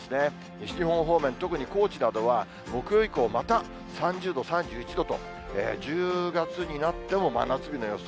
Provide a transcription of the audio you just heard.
西日本方面、特に高知などは、木曜以降、また３０度、３１度と、１０月になっても真夏日の予想。